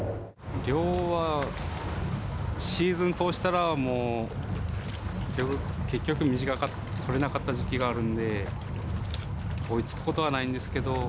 量は、シーズン通したらもう、結局取れなかった時期があるんで、追いつくことはないんですけど。